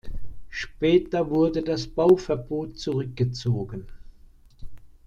Später wurde das Bauverbot zurückgezogen.